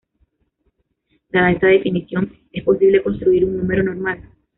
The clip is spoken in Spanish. Dada esta definición, ¿es posible construir un número normal?